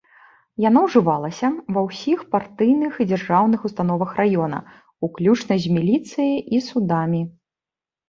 Яна ўжывалася ва ўсіх партыйных і дзяржаўных установах раёна, уключна з міліцыяй і судамі.